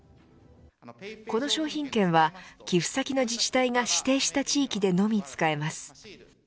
この商品券は寄付先の自治体が指定した地域でのみ使えます。